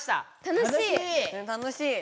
楽しい！